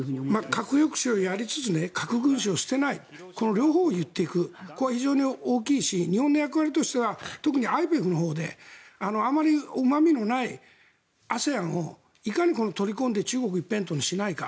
核抑止をやりつつ核軍縮を捨てないこの両方を言っていくここは非常に大きいし日本の役割としては特にＩＰＥＦのほうであまりうま味のないＡＳＥＡＮをいかに取り込んで中国一辺倒にしないか